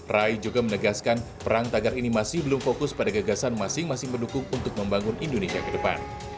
rai juga menegaskan perang tagar ini masih belum fokus pada gagasan masing masing pendukung untuk membangun indonesia ke depan